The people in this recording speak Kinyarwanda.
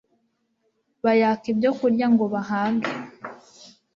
bayaka ibyo kurya ngo bahage